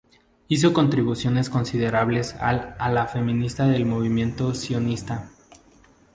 Hizo contribuciones considerables al ala feminista del movimiento sionista.